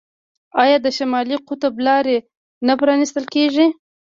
آیا د شمالي قطب لارې نه پرانیستل کیږي؟